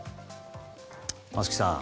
松木さん。